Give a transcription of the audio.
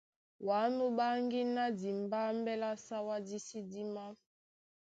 Wǎ nú ɓáŋgí ná dimbámbɛ́ lá Sáwá dí sí dímá.